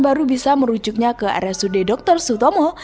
baru bisa merujuknya ke rsud dr sutomo